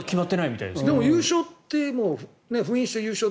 でも優勝って封印して。